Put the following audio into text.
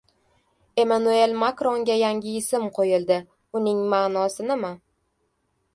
Emmanuel Makronga yangi ism qo‘yildi. Uning ma’nosi nima?